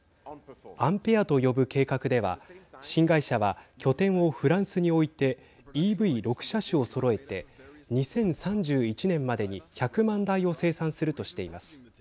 アンペアと呼ぶ計画では新会社は拠点をフランスに置いてＥＶ６車種をそろえて２０３１年までに１００万台を生産するとしています。